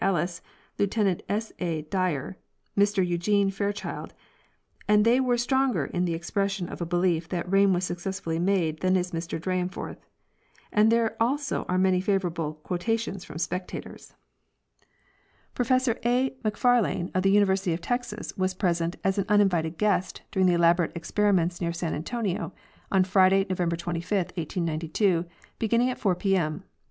Ellis, Lieutenant 8. A. Dyer, and Mr Eu gene Fairchild, and they were stronger in the expression of a belief that rain was successfully made than is Mr Dyrenforth ; and there are also many favorable quotations from spectators. 56 M. W. Harrington— Weather making. Professor A. Macfarlane, of the University of Texas, was pres ent as an uninvited guest during the elaborate experiments near San Antonio on Friday, November 25, 1892, beginning at 4 pm.